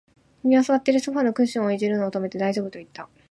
君は座っているソファーのクッションを弄るのを止めて、大丈夫と言った